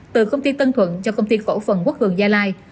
từ công ty tân thuận cho công ty khổ phần quốc hường gia lai